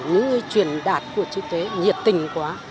những cái truyền đạt của chị tuế nhiệt tình quá